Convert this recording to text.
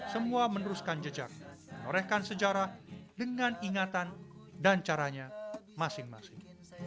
semua meneruskan jejak menorehkan sejarah dengan ingatan dan caranya masing masing